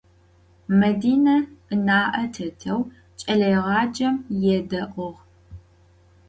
Medine ına'e têteu ç'eleêğacem yêde'uğ.